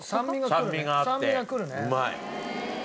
酸味があってうまい。